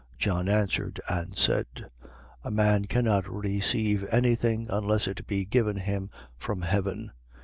3:27. John answered and said: A man cannot receive any thing, unless it be given him from heaven.